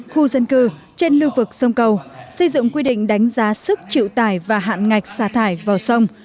khu dân cư trên lưu vực sông cầu xây dựng quy định đánh giá sức chịu tải và hạn ngạch xả thải vào sông